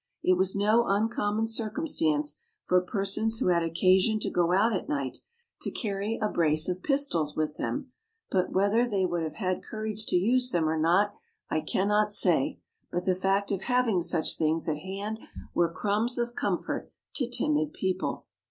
It was no uncommon circumstance for persons who had occasion to go out at night, to carry a brace of pistols with them; but whether they would have had courage to use them or not, I cannot say, but the fact of having such things at hand were crumbs of comfort to timid people.